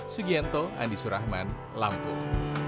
sugianto andi surahman lampung